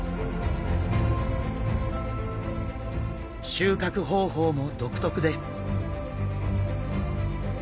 収穫方法も独特です。